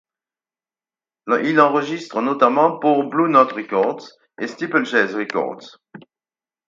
Il enregistre notamment pour Blue Note Records et SteepleChase Records.